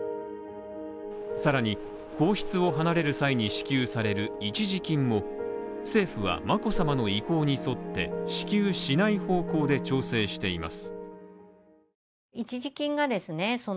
さらに、皇室を離れる際に支給される一時金も政府は眞子さまの意向に沿って支給しない方向で調整しています。